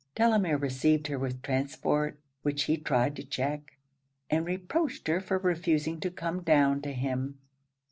Delamere received her with transport, which he tried to check; and reproached her for refusing to come down to him.